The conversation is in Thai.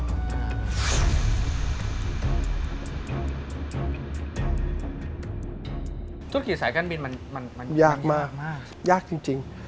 ช่วยกับสายการบินมันยากมากจริงยาก